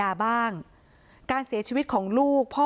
อาบน้ำเป็นจิตเที่ยว